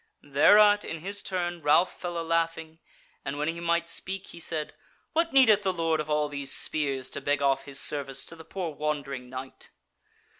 Thereat in his turn Ralph fell a laughing, and when he might speak he said: "What needeth the lord of all these spears to beg off his service to the poor wandering knight?"